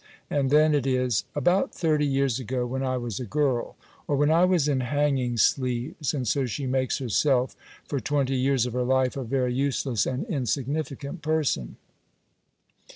and then it is "About thirty years ago; when I was a girl," or "when I was in hanging sleeves;" and so she makes herself, for twenty years of her life, a very useless and insignificant person.